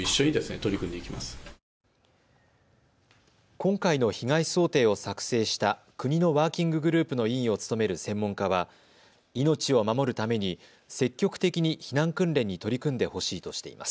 今回の被害想定を作成した国のワーキンググループの委員を務める専門家は命を守るために積極的に避難訓練に取り組んでほしいとしています。